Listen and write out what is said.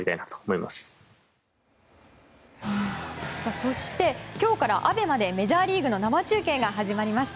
そして今日からＡＢＥＭＡでメジャーリーグの生中継が始まりました。